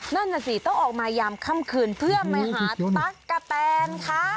นั่นน่ะสิต้องออกมายามค่ำคืนเพื่อไปหาตั๊กกะแตนค่ะ